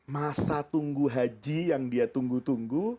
masa tunggu haji yang dia tunggu tunggu